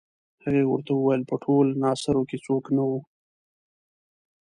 هغې ورته وویل په ټول ناصرو کې څوک نه وو.